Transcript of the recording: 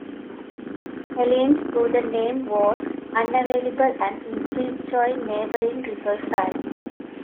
Helens', though the name was unavailable and instead joined neighbouring Rippleside.